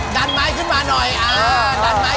ดันม้ายขึ้นมาหน่อย